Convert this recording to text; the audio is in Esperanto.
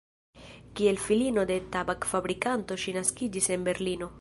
Kiel filino de tabak-fabrikanto ŝi naskiĝis en Berlino.